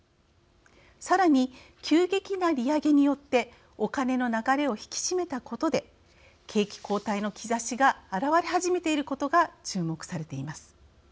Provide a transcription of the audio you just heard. さらに、急激な利上げによってお金の流れを引き締めたことで景気後退の兆しが表れ始めていることが注目されています。